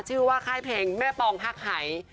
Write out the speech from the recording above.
ชื่อว่าค่ายเพลงแม่ปองฮักหาย